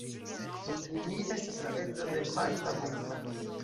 Li estas la edzo de Magda Bunta.